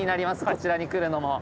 こちらに来るのも。